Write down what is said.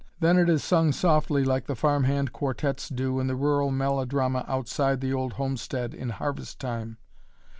Then it is sung softly like the farmhand quartettes do in the rural melodrama outside the old homestead in harvest time.